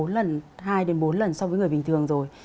bốn lần hai đến bốn lần so với người bình thường rồi